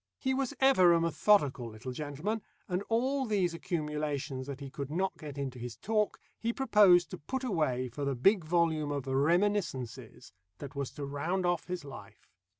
He was ever a methodical little gentleman, and all these accumulations that he could not get into his talk, he proposed to put away for the big volume of "Reminiscences" that was to round off his life.